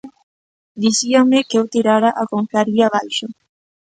Dicíanme que eu tirara a confraría abaixo.